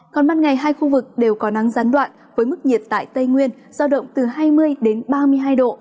còn ban ngày hai khu vực đều có nắng gián đoạn với mức nhiệt tại tây nguyên giao động từ hai mươi đến ba mươi hai độ